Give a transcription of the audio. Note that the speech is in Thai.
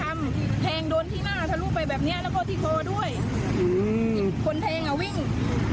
เพราะถูกทำร้ายเหมือนการบาดเจ็บเนื้อตัวมีแผลถลอก